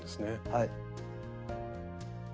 はい。